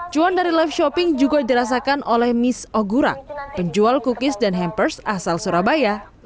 cuan dari live shopping juga dirasakan oleh miss ogura penjual cookies dan hampers asal surabaya